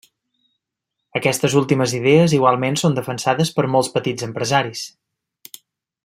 Aquestes últimes idees igualment són defensades per molts petits empresaris.